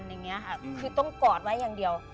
อย่างนี้ค่ะคือต้องกอดไว้อย่างเดียว